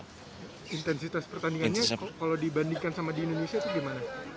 intensitas pertandingannya kalau dibandingkan sama di indonesia itu gimana